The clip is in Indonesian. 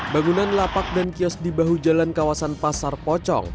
bangunan lapak dan kios di bahu jalan kawasan pasar pocong